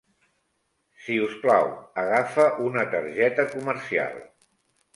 Si us plau, agafa una targeta comercial.